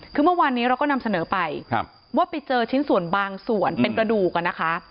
คือเมื่อวานนี้เราก็นำเสนอไปว่าไปเจอชิ้นส่วนบางส่วนเป็นกระดูกนะคะ